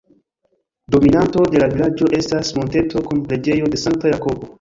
Dominanto de la vilaĝo estas monteto kun preĝejo de Sankta Jakobo.